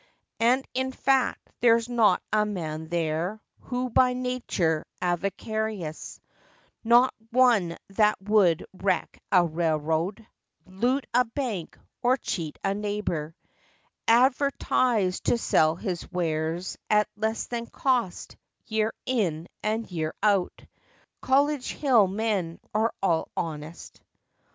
And, in fact, there's not a man there Who by nature's avaricious— Not one that would wreck a railroad, Loot a bank, or cheat a neighbor; Advertise to sell his wares at Less than cost—year in and year out! College Hill men are all honest.